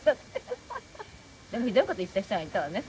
ひどい事言った人がいたわね